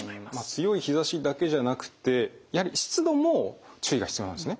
強い日ざしだけじゃなくってやはり湿度も注意が必要なんですね。